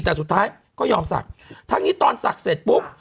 แต่สุดท้ายก็ยอมศักดิ์ทั้งนี้ตอนศักดิ์เสร็จปุ๊บ